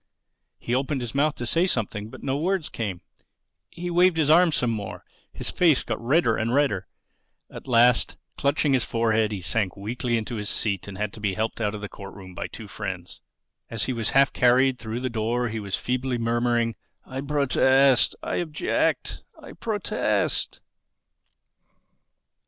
He opened his mouth to say something; but no words came. He waved his arms some more. His face got redder and redder. At last, clutching his forehead, he sank weakly into his seat and had to be helped out of the court room by two friends. As he was half carried through the door he was still feebly murmuring, "I protest—I object—I protest!"